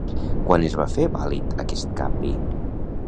Quan es va fer vàlid aquest canvi?